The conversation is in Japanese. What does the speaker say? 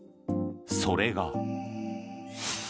それが。